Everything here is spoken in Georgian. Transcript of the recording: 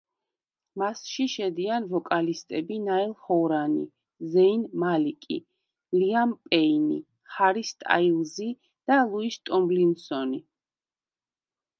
მასში შედიან ვოკალისტები ნაილ ჰორანი, ზეინ მალიკი, ლიამ პეინი, ჰარი სტაილზი და ლუის ტომლინსონი.